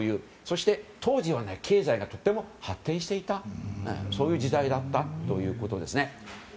そして、当時の経済がとても発展していたそういう時代だったんですね。